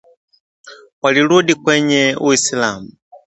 walirudi kwenye uislam